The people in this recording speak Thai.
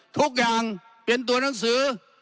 ทุกอย่างเป็นตัวหนังสือ